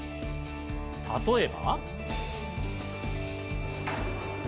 例えば。